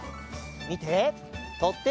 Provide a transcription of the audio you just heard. みて！